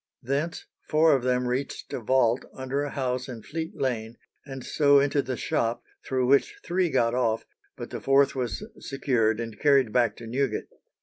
Thence four of them reached a vault under a house in Fleet Lane, and so into the shop, through which three got off, but the fourth was secured and carried back to Newgate.